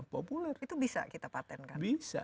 populer itu bisa kita patentkan